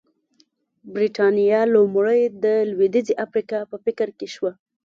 برېټانیا لومړی د لوېدیځې افریقا په فکر کې شوه.